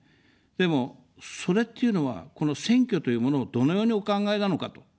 でも、それっていうのは、この選挙というものをどのようにお考えなのかと。